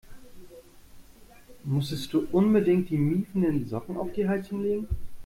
Musstest du unbedingt die miefenden Socken auf die Heizung legen?